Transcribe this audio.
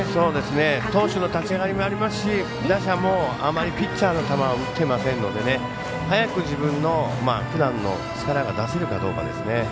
投手の立ち上がりもありますし打者もあまりピッチャーに球を打ってませんので、早く自分のふだんの力が出せるかどうかですね。